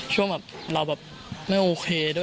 ช่วงเราไม่โอเคด้วย